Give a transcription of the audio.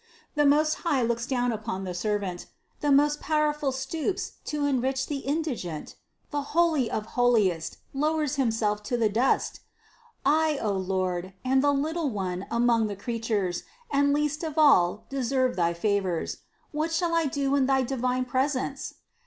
The Most High looks down upon the servant. The Most Powerful stoops to enrich the indigent! The Holy of holiest lowers Himself to the dust! I, O Lord, am the little one among the crea tures, and least of all deserve thy favors. What shall I do in thy divine presence?